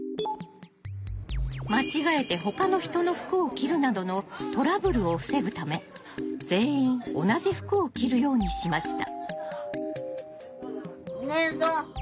間違えてほかの人の服を着るなどのトラブルを防ぐため全員同じ服を着るようにしました。